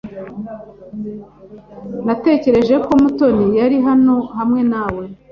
Natekereje ko Mutoni yari hano hamwe nawe.